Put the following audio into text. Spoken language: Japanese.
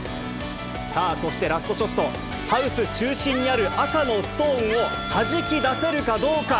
さあ、そしてラストショット、ハウス中心にある赤のストーンをはじき出せるかどうか。